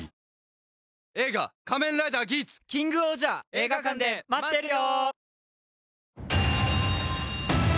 映画館で待ってるよ！